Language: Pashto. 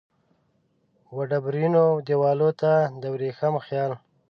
وډبرینو دیوالونو ته د وریښم خیال